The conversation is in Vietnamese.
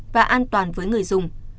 và an toàn với người dùng